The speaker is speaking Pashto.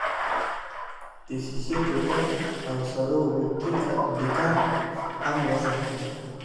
د ښيښې ټوټه او سړو اوبو بیکر هم وزن کړئ.